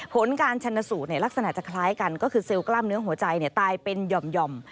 ผลการชนสูตรลักษณะจะคล้ายกันก็คือเซลลกล้ามเนื้อหัวใจตายเป็นหย่อม